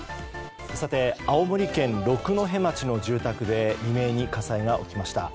さて、青森県六戸町の住宅で未明に火災が起きました。